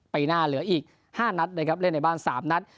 ปีหน้าเหลืออีก๕นัดนะครับเล่นในบ้าน๓นัด